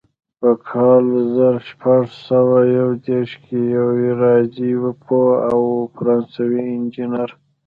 په کال زر شپږ سوه یو دېرش کې یو ریاضي پوه او فرانسوي انجینر.